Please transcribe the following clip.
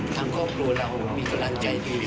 ทั้งครบครูเรามีกำลังใจดี